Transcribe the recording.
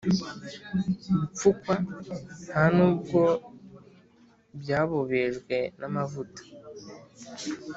gupfukwa, nta n’ubwo byabobejwe n’amavuta.